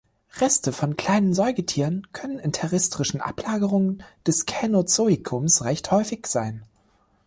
Reste von kleinen Säugetieren können in terrestrischen Ablagerungen des Känozoikums recht häufig sein.